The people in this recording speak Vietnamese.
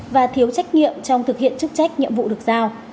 và thiếu trách nhiệm trong thực hiện chức trách nhiệm vụ được giao